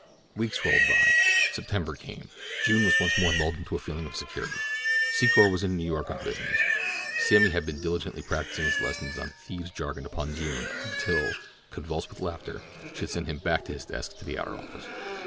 Weeks rolled by. September came. June was once more lulled into a feeling of security. Secor was in New York on business. Sammy had been diligently practising his lesson on thieves' jargon upon June until, convulsed with laughter, she had sent him back to his desk in the outer office.